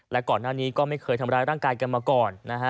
และก่อนหน้านี้ก็ไม่เคยทำร้ายร่างกายกันมาก่อนนะฮะ